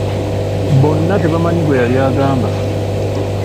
Bonna tebamanyi gwe yali agamba.